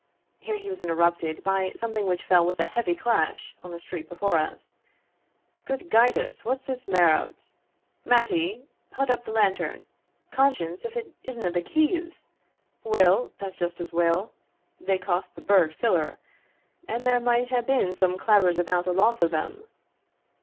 Here he was interrupted by something which fell with a heavy clash on the street before us "Gude guide us what's this mair o't? Mattie, haud up the lantern Conscience if it isna the keys! Weel, that's just as weel they cost the burgh siller, and there might hae been some clavers about the loss o' them.